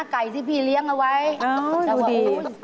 ไก่ที่พี่เลี้ยงมาไว้แต่ว่าหูยอ๋อดูดี